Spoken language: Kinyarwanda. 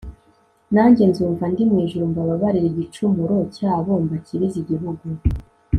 nanjye nzumva ndi mu ijuru mbababarire igicumuro cyabo, mbakirize igihugu